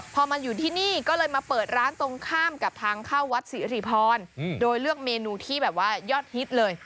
พอมาอยู่ที่นี่ก็เลยมาเปิดร้านตรงข้ามกับทางเข้าวัดศรีริพรโดยเลือกเมนูที่แบบว่ายอดฮิตเลย